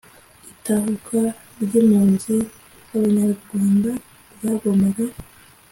itahuka ry'impunzi z'abanyarwanda ryagombaga